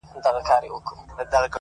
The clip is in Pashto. هره ستونزه د نوې لارې پیل وي’